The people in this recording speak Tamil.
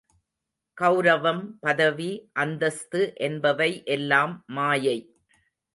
கெளரவம், பதவி, அந்தஸ்து என்பவை எல்லாம் மாயை.